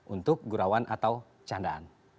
untuk gurauan atau candaan